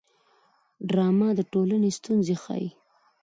ډرامه د ټولنې ستونزې ښيي